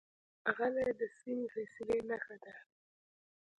غلی، د سمې فیصلې نښه ده.